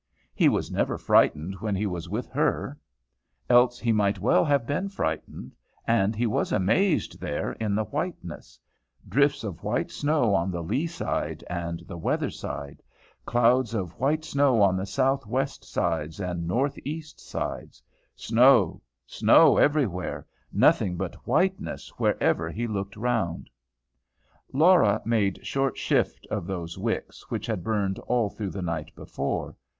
He was never frightened when he was with her. Else he might well have been frightened. And he was amazed there in the whiteness; drifts of white snow on the lee side and the weather side; clouds of white snow on the south west sides and north east sides; snow; snow everywhere; nothing but whiteness wherever he looked round. Laura made short shift of those wicks which had burned all through the night before.